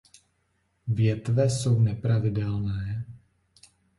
Větve jsou nepravidelné.